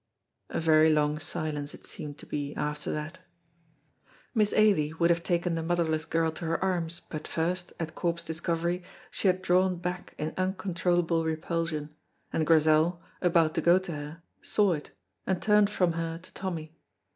A very long silence it seemed to be after that. Miss Ailie would have taken the motherless girl to her arms, but first, at Corp's discovery, she had drawn back in uncontrollable repulsion, and Grizel, about to go to her, saw it, and turned from her to Tommy.